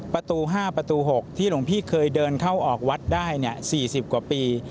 ประตูห้าประตูหกที่หลวงพี่เคยเดินเข้าออกวัดได้เนี่ยสี่สิบกว่าปี